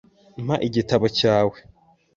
Mpa igitabo cyawe .